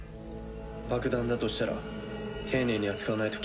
爆弾だとしたら丁寧に扱わないと危険だ。